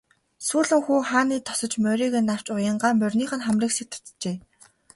Сүүлэн хүү хааны тосож морийг нь авч уянгаа мориных нь хамрыг сэт татжээ.